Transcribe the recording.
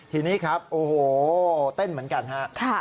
ทีนี้ครับโอ้โหเต้นเหมือนกันฮะ